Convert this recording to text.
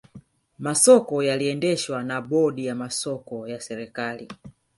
masoko yaliendeshwa na bodi ya masoko ya serikali